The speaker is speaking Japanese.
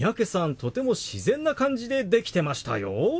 とても自然な感じでできてましたよ。